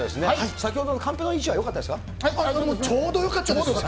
先ほどのカンペの位置はよかちょうどよかったです。